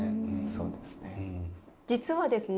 そうですね。